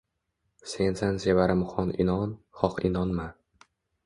Sensan sevarim xoh inon, xoh inonma